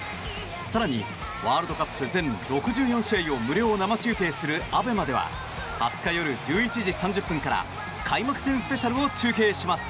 更にワールドカップ全６４試合を無料生中継するＡＢＥＭＡでは２０日夜１１時３０分から開幕戦スペシャルを中継します。